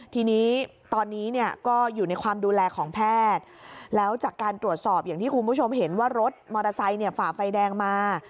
ทีนี้ตอนนี้เนี่ยก็อยู่ในความดูแลของแพทย์แล้วจากการตรวจสอบอย่างที่คุณผู้ชมเห็นว่ารถมอเตอร์ไซค์ฝ่าไฟแดงมา